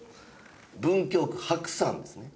文京区白山ですね。